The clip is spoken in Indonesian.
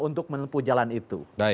untuk menempuh jalan itu